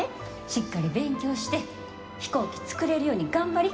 しっかり勉強して飛行機作れるように頑張り。